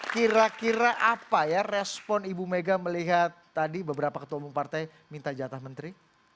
kira kira apa ya respon ibu mega melihat tadi beberapa ketua umum partai minta jatah menteri